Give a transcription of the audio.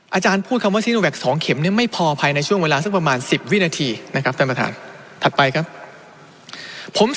อาจารย์พูดคำว่าซินโอแวค๒เข็มเนี่ยไม่พอ